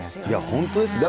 本当ですよね。